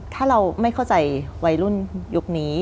ถ้าเราไม่เข้าใจวัยรุ่นยุคนี้